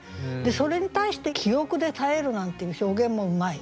それに対して「記憶で耐える」なんていう表現もうまい。